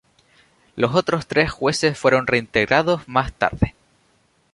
Los otros tres jueces fueron reintegrados más tarde.